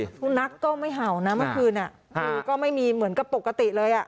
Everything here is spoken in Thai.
สุนัขก็ไม่เห่านะเมื่อคืนคือก็ไม่มีเหมือนกับปกติเลยอ่ะ